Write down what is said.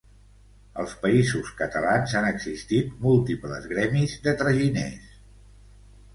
Als països catalans han existit múltiples gremis de traginers.